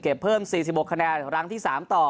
เก็บเพิ่มสี่สิบหกคะแนนรังที่สามต่อ